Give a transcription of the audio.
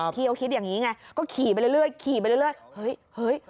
พี่เขาคิดอย่างนี้ไงก็ขี่ไปเรื่อย